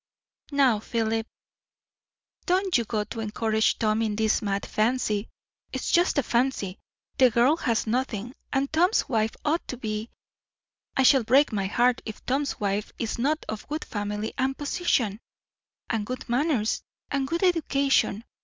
"Now, Philip, don't you go to encourage Tom in this mad fancy. It's just a fancy. The girl has nothing; and Tom's wife ought to be I shall break my heart if Tom's wife is not of good family and position, and good manners, and good education.